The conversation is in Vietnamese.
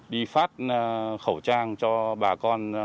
đi phát khẩu trang cho bà con